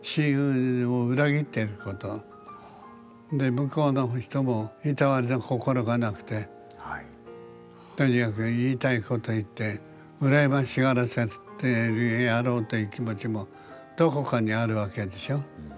向こうの人もいたわりの心がなくてとにかく言いたいこと言って「羨ましがらせてやろう」という気持ちもどこかにあるわけでしょ。